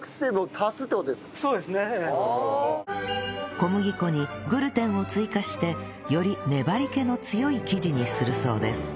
小麦粉にグルテンを追加してより粘り気の強い生地にするそうです